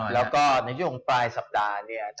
และที่ฝันปลายสัปดาห์เนี่ย